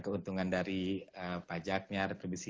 keuntungan dari pajaknya